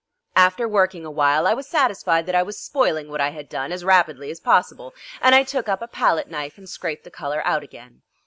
After working a while I was satisfied that I was spoiling what I had done as rapidly as possible, and I took up a palette knife and scraped the colour out again.